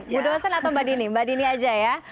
bu dosen atau mbak dini mbak dini aja ya